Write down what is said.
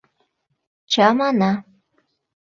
Чамана.